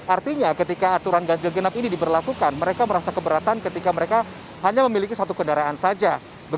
artinya ketika aturan ganjil genap ini diberlakukan mereka merasa keberatan ketika mereka hanya memiliki satu kendaraan saja